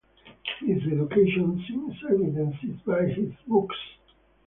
His education seems evidenced by his books.